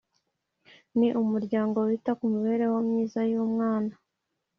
ni umuryango wita kumibereho myiza y’umwana